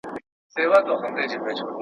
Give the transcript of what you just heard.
دا په ټولو موږكانو كي سردار دئ.